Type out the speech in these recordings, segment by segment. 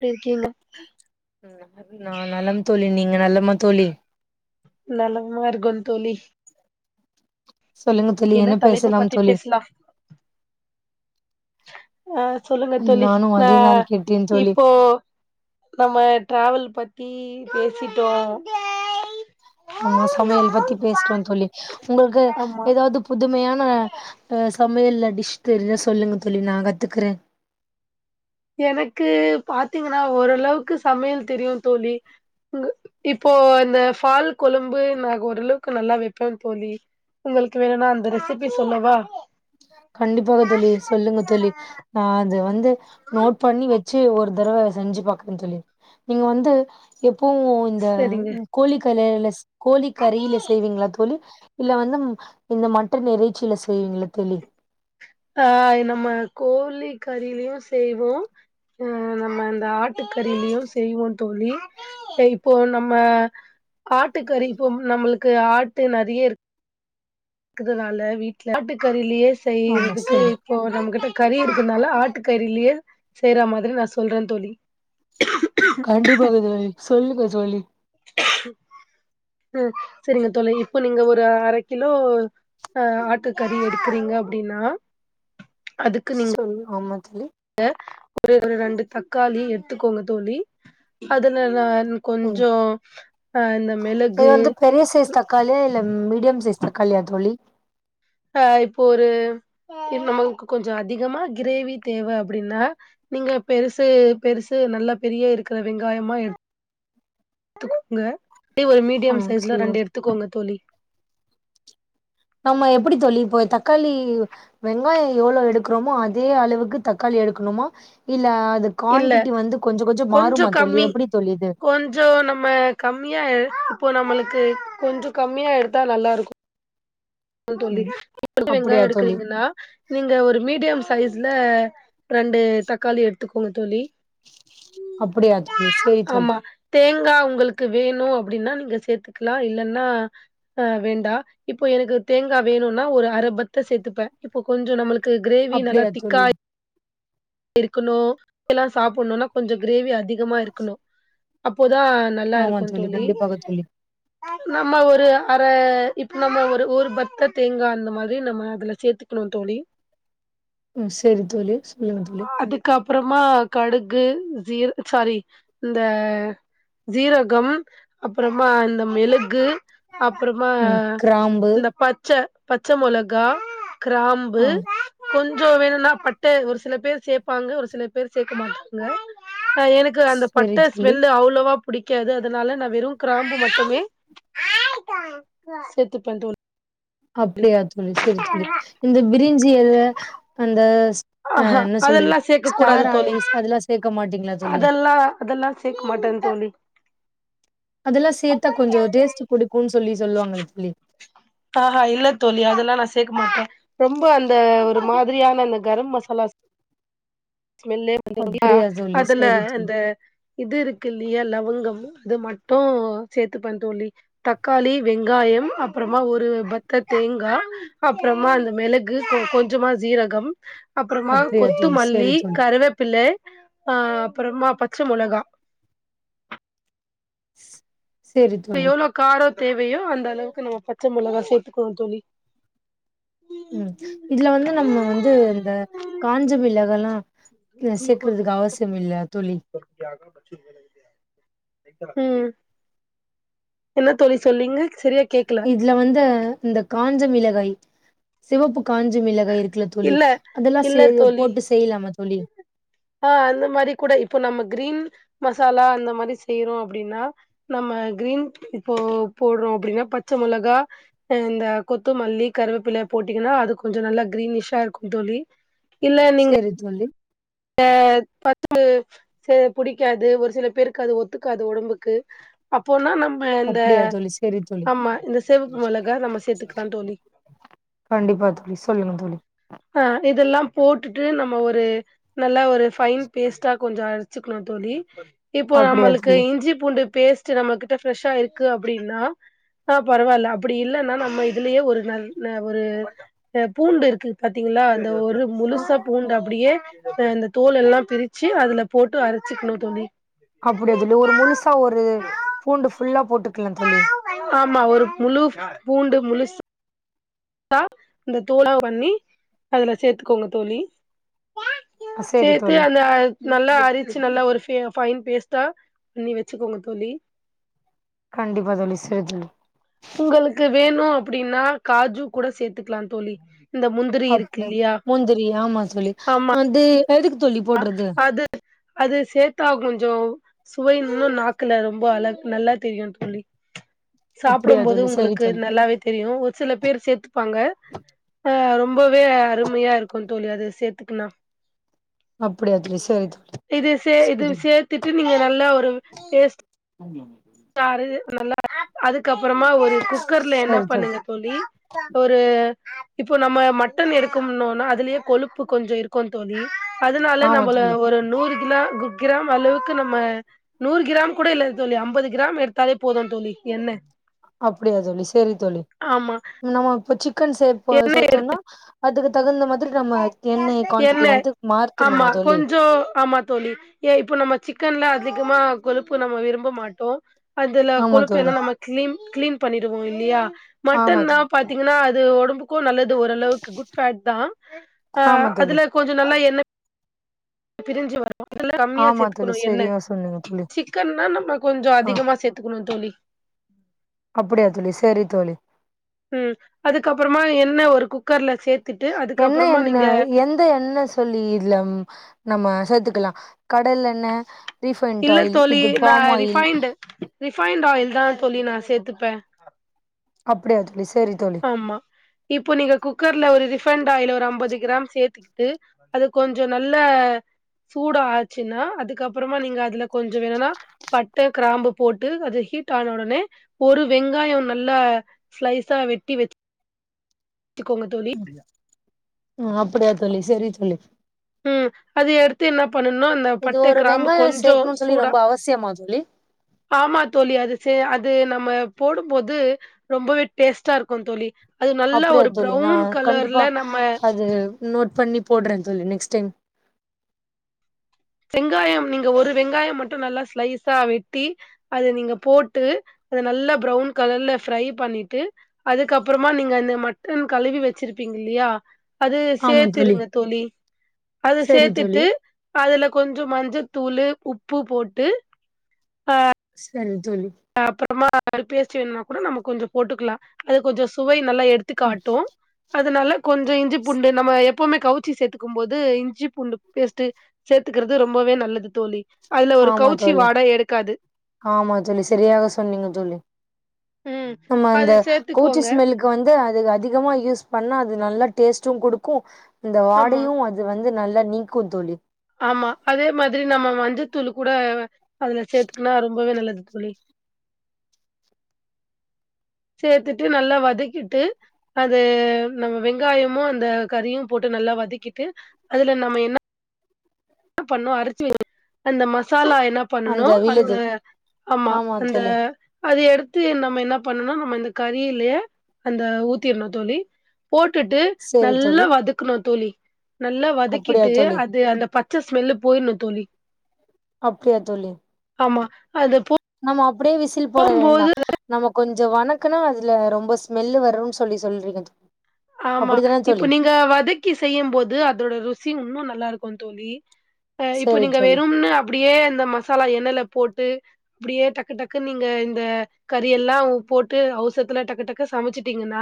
எப்டி இருக்கீங்க ந நா நலம் தோழி நீங்க நலமா தோழி நலமா இருக்கோம் தோழி சொல்லுங்க தோழி என்ன தலைப்பு பேசலாம் பத்தி தோழி பேசலா ஆ சொல்லுங்க தோழி நானு நா அதேதான் கேட்டேன் தோழி இப்போ நம்ம டிராவல் பத்தி பேசிட்டோ ஆமா சமையல் பத்தி பேசிட்டோம் தோழி உங்களுக்கு ஆமா எதாவ்து புதுமையான ன அ சமையல்ல டிஷ்ஷு தெரிஞ்சா சொல்லுங்க தோழி நா கத்துக்குறே. எனக்கு பாத்தீங்கன்னா ஓரளவுக்கு சமையல் தெரியு தோழி. ங் இப்போ இந்த ஃபால் கொழும்பு நா ஓரளவுக்கு நல்லா வைப்பேன் தோழி உங்களுக்கு வேணுனா அந்த ரெசிபி சொல்லவா? கண்டிப்பாக தோழி சொல்லுங்க தோழி நா அது வந்து நோட் பண்ணி வச்சு ஒரு தடவ செஞ்சு பாக்குறே தோழி நீங்க வந்து எப் இப்போ இந்த சரிங்க கோழி கலைல செ கோழி கறில செய்வீங்களா தோழி இல்ல வந்து ம் இந்த மட்டன் எறைச்சியில செய்வீங்களா தோழி ஆ நம்ம கோழி கறிலயு செய்வோ அ நம்ம இந்த ஆட் ட்டுக்கறிலயு செய்வோம் தோழி ப்ப இப்போ நம்ம ஆட்டு கறி இப்போ நம்மளுக்கு ஆட்டு நெறைய இருக் க்குதுனால வீட்ல ஆட்டுக்கறிலேயே ஆமா செய்றதுக்கு சொல்லு இப்போ நம்ம கிட்ட கறி இருக்குறனால ஆட்டுக்கறிலியே செய்ற மாதிரி நா சொல்றந்தோழி கண்டிப்பாக தோழி சொல்லுங்க தோழி ம் சரிங்க தோழி இப்போ நீங்க ஒரு அர கிலோ அ ஆட்டுக்கறி எடுக்குறீங்க அப்டினா சொல்லு ஆமா தோழி எ ஒரு ஒரு ரெண்டு தக்காளி எத்துக்கோங்க தோழி அதனல ம் இது மிளகு வந்து பெரிய சைஸ் தக்காளிய இல்ல மீடியம் சைஸ் தக்காளி யா தோழி அஹ் இப்போ ஒரு நமக்கு கொஞ்ச அதிகமா கிரேவி தேவ அப்டினா நீங்க பெருசு பெருசு நல்லா பெரிய இருக்ற வெங்காயமா எடு துக்கோங்க ஒரு மீடியம் ம் சைஸ்ல சொல்லுங்க ரெண்டு எடுத்துக்கோங்க தோழி நம்ம எப்டி தோழி போய் தக்காளி வெங்காயம் எவ்ளோ எடுக்றோமோ அதே அளவுக்கு தக்காளி எடுக்கணுமா இல்ல அது இல்ல குவான்டிட்டி வந்து கொஞ்சோ கொஞ்சோ கொஞ்ச மாறுமா தோழி கம்மி எப்டி தோழி இது கொஞ்ச நம்ம கம்மியா எ இப்போ நம்மளுக்கு கொஞ்சோ கம்மியா எடுத்தா நல்லாருக்கும் னு தோழி ம் இப்ப வெங்காயம் அப்டியா தோழி எடுக்றீங்கனா நீங்க ஒரு மீடியம் சைஸ்ல ரெண்டு தக்காளி எடுத்துக்கோங்க தோழி அப்டியா தோழி சேரி தோழி ங்கா உங்ளுக்கு வேணு அப்டினா நீங்க சேத்துக்கலா இல்லனா அஹ் வேண்டா இப்போ எனக்கு தேங்கா வேணுனா ஒரு அரபத்த சேத்துப்ப இப்ப கொஞ்ச நம்மளுக்கு கிரேவி நல்லா அப்டியா தோழி திக்காய இருக்கணு எல்லா சாப்புணுனா கொஞ்ச கிரேவி அதிகமாருக்கணு அப்போ ப்தா ஆமா நல்லாருக்கு தோழி கண்டிப்பாக தோழி நம்ம ஒரு அற இப்ப நம்ம ஒரு ஊர் பத்த தேங்கா அந்த மாரி நம்ம அதுல சேத்துக்ணு தோழி [inaudible] ம் சேரி தோழி சொல்லுங்க தோழி அப்றமா கடுகு ஜீர் சாரி இந்த சீரகம் அப்றமா இந்த மிளகு அப்றமா ம் கிராம்பு இந்த பச்ச பச்ச மொளகா கிராம்பு ஆ கொஞ்ச வேணுனா பட்ட ஒரு சில பேர் சேப்பாங்க ஒரு சில பேர் சேக்க மாட்டாங்க ஆஹ் எனக்கு அந்த சேரி பட்ட தோழி ஸ்மெல்லு அவ்ளவா புடிக்காது அதனால நா வெறு கிராம்பு மட்டுமே சேத்து பண்டுவ அப்டியா தோழி சேரி தோழி இந்த பிரிஞ்சி எல அந்த ஷ் ஆஹா அதெல்லா சேக்கக்கூடாது தோழி ஆனீஸ் அதெல்லா சேக்க மாட்டீங்களா தோழி அதெல்லா அதெல்லா சேக்க மாட்ட ம் தோழி அதெல்லா சேத்தா கொஞ்ச டேஸ்ட் குடுக்கும்ன் சொல்லி சொல்லுவாங்கல தோழி ஆஹ்ஹா இல்ல தோழி அதெல்லா நா சேக்க மாட்ட ரொம்ப அந்த ஒரு மாதிரியான அந்த கரம் மசாலா ஸ்மெல்லே வந்துரு அ அப்டியா தோழி அதல சரி தோழி அந்த இது இருக்குல்லையா லவங்கம் அது மட்டும் சேத்துப தோழி தக்காளி வெங்காய யம் அப்றமா ஒரு ஒரு பத்த தேங்கா அப்றமா அந்த மிளகு கொஞ்சமா சீரகம் அப்றமா அப்டியா தோழி சரி கொத்துமல்லி தோழி கருவேப்பில அஹ் அப்றமா பச்ச மொளகா ஸ் சரி தோழி எவ்ளோ கார தேவையோ அந்த அளவுக்கு நம்ம பச்ச மொளகா சேத்துக்கனு தோழி உம் இதுல வந்து நம்ம வந்து இந்த காஞ்சமிளகால்லா [unintelligible] தோழி உம் என்ன தோழி சொன்னீங்க இதுல வந்து இந்த காஞ்ச மிளகாய் சிவப்பு காஞ்சமிளகாய்ருக் குல தோழி இல்ல அதெல்லா செய் போட்டு செய்யலாம தோழி ஆஹ் அந்த மாரி கூட இப்போ நம்ம கிரீன் மசாலா அந்த மாரி செய்யறோ அப்படின்னா நம்ம கிரீன் இப்போ போடுறோ அப்படின்னா பச்சை மொளகா இந்த கொத்துமல்லி கருவேப்பிலைய போட்டீங்கன்னா அது கொஞ்ச நல்லா கிரீனிஷ் சா இருக்கு தோழி சேரி தோழி அஹ பத்து சே புடிக்காது ஒரு சில பேருக்கு அது ஒத்துக்காது உடம்புக்கு அப்போனா நம் ம இந்த அப்டியா தோழி செரி தோழி ஆமா இந்த செவப்பு மொளகா நம்ம சேத்துக்கலா தோழி கண்டிப்பா தோழி சொல்லுங்க தோழி ஆ இதெல்லா போட்டுட்டு நம்ம ஒரு நல்ல ஒரு ஃபைன் பேஸ்ட்டா கொஞ்சோ அரச்சுக்கணு தோழி ழி இப்போ அப்டியா நம்மளுக்கு தோழி இஞ்சி பூண்டு பேஸ்ட் நம்மகிட்ட ஃப்ரெஷ்ஷா இருக்கு அப்படின்னா ஆ பரவால்ல அப்படி இல்லன்னா நம்ம இதுலேயே ஒரு நல்ல ஒரு அ பூண்டு இருக்கு பாத்தீங்களா அந்த ஒரு அ முழுசா பூண்டு அப்படியே அ இந்த தோல் எல்லா பிரிச்சு அதுல போட்டு அரச்சிக்குணு தோழி அப்படி அதுல ஒரு முழுசா ஒரு பூண்டு ஃபுல்லா போட்டுக்கலா தோழி ஆமா ஒரு முழு ஃபூ பூண்டு முழுஸ் சா இந்த தூளா பண்ணி அதுல சேத்துக்கோங்க தோழி சேரி சேத்து தோழி அந்த நல்லா அரிச்சு நல்லா ஒரு ஃபே ஃபைன் பேஸ்ட்டா பண்ணி வச்சுக்கோங்க தோழி கண்டிப்பா தோழி சேரி தோழி உங்களுக்கு வேணு அப்படின்னா காஜு கூட சேத்துக்கலாந் தோழி இந்த முந்திரி அப் இருக்கு டு இல்லையா? முந்திரி ஆமா தோழி ஆமா. அது எதுக்கு தோழி போடுறது அது அது சேத்தா கொஞ்சோ சுவை இன்னு நாக்குல ரொம்ப அழக் நல்லா தெரியு தோழி அப்டியா சாப்பிடும் போது தோழி செரி உங்களுக்கு தோழி நல்லாவே தெரியு ஒரு சில பேர் சேத்துப்பாங்க ஆ ரொம்பவே அருமையா இருக்கு தோழி அது சேத்துக்குன்னா அப்டியா தோழி செரி தோழி இது சே செரி இது தோழி சேத்துட்டு நீங்க நல்லா ஒரு பேஸ்ட் [unintelligible] சாரு நல்லா அதுக்கப் புறமா ஒரு குக்கர்ல என்ன பண்ணுங்க தோழி ஒரு இப்போ நம்ம மட்டன் எடுக்கம்னுன்னா அதுலேயே கொழுப்பு கொஞ்சோ இருக்கு தோழி அதனால ஆமா நம்பள தோழி ஒரு நூறு கிலா கிராம் அளவுக்கு நம்ம நூறு கிராம் கூட இல்ல தோழி அம்பது கிராம் எடுத்தாலே போதுந் தோழி எண்ணெ அப்படியா தோழி செரி தோழி ஆமா நம்ம இப்ப சிக் கன் சேர்ப்போ என்ன சேர்த்தோன்னா அதுக்கு தகுந்த மாதிரி நம்ம எண்ணெய் குவான்டிட்டி என்ன வந்து ஆமா மார்த்தணுமா தோ கொஞ்சோ ஆமா தோழி ஏ இப்போ நம்ம சிக் க்கன்ல அதிகமா கொழுப்பு நம்ம விரும்ப மாட்டோ அதுல ஆமா கொழுப்பு தோழி எல்லா நம்ம கிளீன் கிளீன் பண்ணிடுவோ இல்லையா ஆமா மட்டன்னா தோழி பாத்தீங்கன்னா அது உடம்புக்கு நல்லது ஓரளவுக்கு குட் ஃபேட்தா அ ஆமா தோழி அதுல கொஞ்சோ நல்லா எண்ணே பிரிஞ்சிவ மொதல்ல கம்மியா ஆமா தோழி சேத்துக்கணு எண்ணெ சரியா சொன்னீங்க தோழி சிக்கன்னா நம்ம கொஞ்சோ ஆ அதிகமா சேத்துக்கணு தோழி அப்படியா தோழி செரி தோழி உம் அதுக்கப்புறமா எண்ணெ ஒரு குக்கர்ல சேத்துட்டு என்ன அதுக்கப்புறமா எண்ணெ நீங்க எந்த எண்ணெ சொல்லி இதுல நம்ம சேத்துக் க்கலா கடலெண்ணெ இல்ல தோழி நா ரிஃபைன்டு் ரிஃபைன்ட் ஆயில் தா தோழி நா சேத்து ப அப்படியா தோ ஆமா இப்போ நீங்க குக்கர்ல ஒரு ரிஃபைண்ட் ஆயில ஐம்பது கிராம் சேர்த்துக்குட்டு அது கொஞ்சோ நல்லா சூட ஆச்சுன்னா அதுக்கப்புறமா நீங்க அதுல கொஞ்சோ வேனா பட்ட கிராம்பு போட்டு அது ஹே ஹேட்டு ஆன உடனே ஒரு வெங்காயம் நல்லா ஸ்லைஸா வெட்டி வச்சு உம் அப்படியா தோழி செரி தோழி ம் அது எடுத்து என்ன பண்ணனும் அந்த இது பட்டை ஒரு கிராமு வெங்காயோ கொஞ்சோ சேக்கணுன்னு சொல்லி சூடா ரொம்ப அவசியமா தோழி ஆமா தோழி அது சே அது நம் ம போடு போது ரொம்பவே டேஸ்டா இருக்கு தோழி அது நல்லா அப்டியா ஒரு தோழி நா ப்ரௌன் கண்டிப்பா கலர்ல நம்ம அது நோட் பண்ணி போட்றே தோழி நெக்ஸ் டைம் வெங்காயம் நீங்க ஒரு வெங்காயம் மட்டு நல்லா ஸ்லைஸா வெட்டி அது நீங்க போட்டு நல்லா ப்ரவுன் கலர்ல ஃப்ரை பண்ணிட்டு அதுக்கப்றமா நீங்க அந்த மட்டன் கழுவி வச்சிருப்பீங்க இல்லியா அது சேத்துருங்க தோழி அது சரி தோழி சேத்துட்டு அதுல கொஞ்சோ மஞ்சத்தூளு உப்பு போட்டு அ செரி அப்றமா பேஸ்ட் வேனும்னா கூட நம்ம கொஞ்ச போட்டுக்லா அது கொஞ்சோ சுவை நல்லா எடுத்து ம். காட்டு அதனால கொஞ்சோ இஞ்சி பூண்டு நம்ம எப் போமே கவிச்சி சேத்துக்கு போது இஞ்சி பூண்டு பேஸ்ட்டு சேத்துக்கிறது ரொம்பவே நல்லது தோழி அதுல ஒரு ஆமா கௌச்சி தோழி வாட எடுக்காது ஆமா தோழி செரியாக சொன்னீங்க தோழி ம். ஆமா அது அந்த கூச்சி சேர்த்துக்கோங்க. ஸ்மெலுக்கு வந்து அதிமா யூஸ் பண்ணாது நல்லா டேஸ்டு குடுக்கு அந்த ஆமா, வாடையு அது வந்து து நல்லா நீக்கு தோழி ஆமா அதே மாதிரி நம்ம மஞ்சத்தூள் கூட அதுல சேத்துக்குனா ரொம்பவே நல்லது தோழி சேத்துட்டு நல்லா வதக்கிட்டு அது நம்ம வெங்காயமு அந்த கறியு போட்டு நல்லா வதக்கிட்டு அதுல நம்ம என்ன பண்ணு அரச்சி அந்த மசாலா என்ன பண்ணு அந்த ஆமா அந்த அது எடுத் து நம்ம என்ன பண்ணணு நம்ம இந்த கறியில்லேயே அந்த ஊத்திர்னு தோழி போட்டுட்டு சேரி நல்லா தோழி வதக்கணு தோழி நல்லா அப்டியா வதக்கிட்டு தோழி அது அந்த பத் மெல்ல போயிர்னு தோழி அப்டியா தோழி ஆமா அது போ நம்ம அப்டியே விசில் போட வேண்டா போது நம்ம கொஞ்சோ வணக்குனா அதுல ரொம்ப ஸ்மெல்லு வரும் சொல்லி சொல்றீங்க தோ ஆமா இப்ப நீங்க வதக்கி செய்யு போது அதோட ருசி உன்னு நல்லாருக் தோழி ப இப்ப சேரி நீங்க தோழி வெறும்னு அப்டியே இந்த மசாலா எண்ணெல போட்டு அப்டியே டக்கு டக்கு நீங்க இந்த கறி எல்லா போட்டு அவசரத்துல டக்கு டக்கு சமச்சிட்டீங்க னா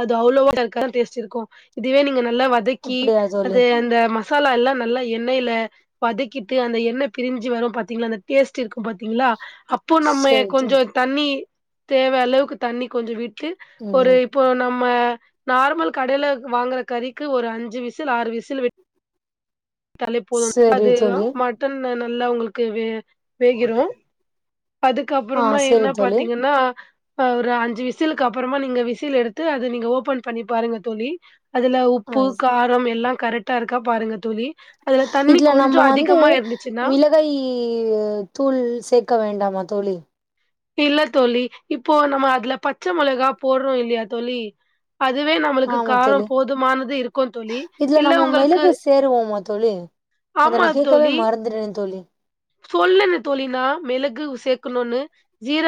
அது அவ்ளோவா [unintelligible] டேஸ்ட் இருக்கு இதுவே நீங்க நெ நல்லா வதக்கி அப்டியா தோழி அது அந்த மசாலா எல்லா நல்லா எண்ணெய்ல வதக்கிட்டு அந்த எண்ண பிரிஞ்சி வரு பாத்தீங்ளா அந்த டேஸ்ட் இருக் ப்ப பாத்தீங்ளா அப்போ நம்மே சேரி தோழி கொஞ்சோ தண்ணி தேவ அளவுக்கு தண்ணி கொஞ்ச விட்டு ஒரு ம் இப்போ நம் ம நார்மல் கடைல வாங்குற கறிக்கு ஒரு அஞ்சு விசில் ஆறு விசில் விட் டாலே போது சேரி அது ஆ தோழி மட்டன் ந நல்லா உங்களுக்கு வே வேகிரு ஆ அதுக்கப்றமா என்ன சேரி தோழி பாத்தீங்கனா அ ஒரு அஞ்சு விசிலுக்கு அப்புறமா நீங்க விசில் எடுத்து அது நீங்க ஓப்பன் பண்ணி பாருங்க தோழி அதுல உப்பு ஆ காரம் எல்லா கரெட்டா இருக்கா பாருங்க தோழி அதுல தண்ணி இதுல கொஞ்சம் நம்ம வந்து அதிகமா இருந்துச்சுன்னா மிளகாய் ஒ தூள் சேக்க வேண்டாமா தோழி இல்ல தோழி இப்போ நம்ம அதுல பச்ச மொளகா போட்றோ இல்லியா தோழி அதுவே நம்மளுக்கு ஆமா காரோ தோழி போதுமானது இருக்கு தோழி இதுல இல்ல நம்ம உங்களுக்கு மிளகு சேருவோமா தோழி அத நா கேக்கவே மறந்துறே தோழி சொல்லல தோழி நா மிளகு சேக்கணுனு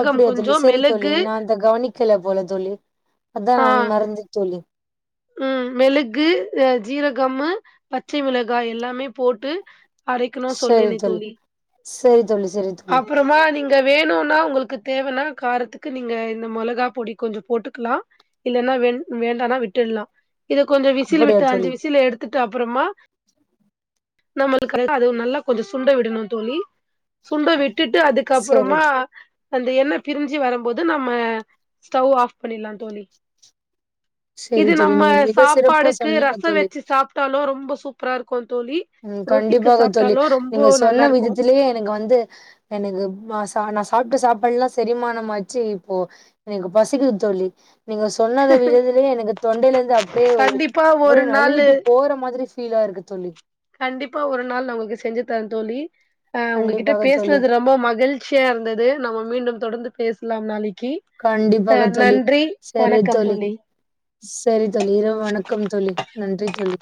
அப்டியா தோழி செரி தோழி நா அந்த கவனிக்கல போல தோழி அத்தா ஆ மறந்து தோழி ம் மெளகு அ ஜீரகம்மு பச்சை மிளகாய் எல்லாமே போட்டு அரைக்கனு சொன்னனே தோழி சரி தோழி சரி தோழி அப்புறமா நீங்க வேணுன் னா உங்களுக்கு தேவனா காரத்துக்கு நீங்க இந்த மொளகா பொடி கொஞ்சோ போட்டுக்கலாம் இல்லன்னா வே வே வேண்டானா விட்டுடலாம் இத கொஞ்சோ விசில் அப்படியா விட்டு அஞ்சு தோழி விசில் எடுத்துட்டு டு அப்புறமா நம்மளுக்கு அது நல்லா கொஞ்சோ சுண்ட விடணும் தோழி சுண்ட விட்டுட்டு சரி அதுக்கப்புறமா தோ அந்த எண்ணெ பிரிஞ்சு வரும்போது நம்ம ஸ்டவ் ஆஃப் பண்ணலாம் தோழி சரி இது தோழி நம்ம நீங்க மிக சிறப்பா சாப்பாடுக்கு சொன்னீங்க ரச தோழி வச்சு சாப்பிட்டாலும் ரொம்ப சூப்பரா இருக்கு தோழி ம் ரொட்டிக்கு கண்டிப்பாக தோழி சாப்ட்டாலும் ரொம்ப நல்லா இருக்கும் எனக்குமா சா நா சாப்ட்டு சாப்பாடுல்லாம் செரிமானமாச்சு இப்போ எனக்கு பசிக்குது தோ ழி நீங்க சொன்னத விடுதுலயே எனக்கு தொண்டையில இருந்து கண்டிப்பா அப்படியே ஒரு நாளு நழுவிட்டு போற மாதிரி ஃபீலா இருக்கு தோழி கண்டிப்பா ஒரு நாள் நா உங்களுக்கு செஞ்சு தரேன் தோழி அ உங்ககிட்ட கண்டிப்பாக தோழி பேசனது ரொம்ப மகிழ்ச்சியா இருந்தது நம்ம மீண்டும் தொடர்ந்து பேசலாம் நாளை கண்டிப்பாக தோழி செரி தோழி செரி தோழி இரவு வணக்கம் தோழி நன்றி தோழி